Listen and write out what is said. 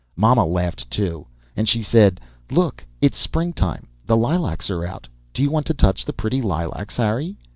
Mamma laughed too, and she said, _Look, it's springtime, the lilacs are out, do you want to touch the pretty lilacs, Harry?